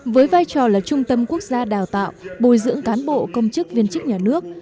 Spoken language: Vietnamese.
với vai trò là trung tâm quốc gia đào tạo bồi dưỡng cán bộ công chức viên chức nhà nước